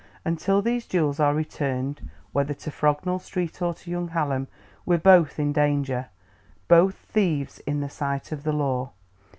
Until these jewels are returned, whether to Frognall Street or to young Hallam, we're both in danger, both thieves in the sight of the law.